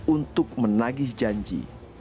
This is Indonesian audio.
untuk menagih janji